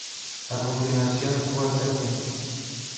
A continuación, WhatsApp Inc.